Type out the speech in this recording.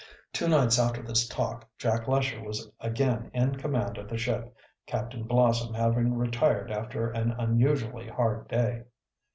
Two nights after this talk Jack Lesher was again in command of the ship, Captain Blossom having retired after an unusually hard day.